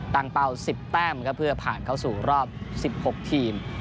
ตั้งเปล่าสิบแต้มครับเพื่อผ่านเข้าสู่รอบสิบหกทีม